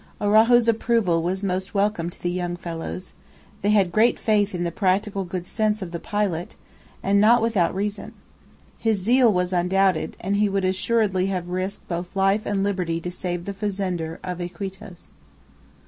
Araujo's approval was most welcome to the young fellows; they had great faith in the practical good sense of the pilot, and not without reason. His zeal was undoubted, and he would assuredly have risked both life and liberty to save the fazender of Iquitos.